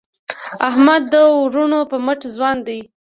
احمد د وروڼو په مټ ځوان دی.